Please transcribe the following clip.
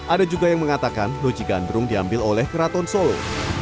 ada juga yang mengatakan loji gandrung diambil oleh keraton solo